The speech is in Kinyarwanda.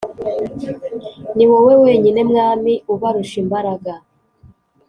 Ni wowe wenyine mwami ubarusha imbaraga